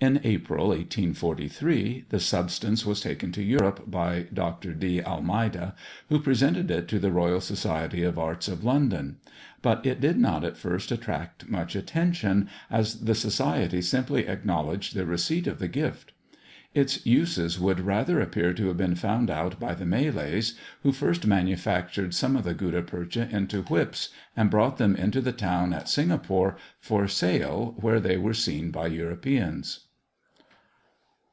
In April, 1843, the substance was taken to Europe by Dr. D. Almeida, who presented it to the Royal Society of Arts of London; but it did not at first attract much attention, as the Society simply acknowledged the receipt of the gift. Its uses would rather appear to have been found out by the Malays, who first manufactured some of the Gutta Percha into whips, and brought them into the town at Singapore for sale, where they were seen by Europeans.